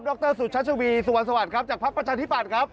ดรสุชัชวีสวัสดีครับจากภักดิ์ประชาธิปัตย์ครับ